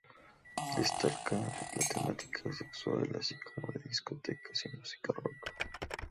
Destaca la temática sexual, así como de discotecas y música rock.